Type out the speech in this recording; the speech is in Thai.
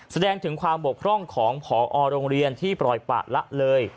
แสดงถึงความบกพร่องของผอโรงเรียนที่ปล่อยปะละเลย